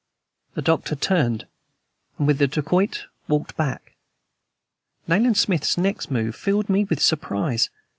The Doctor turned, and with the dacoit walked back. Nayland Smith's next move filled me with surprise.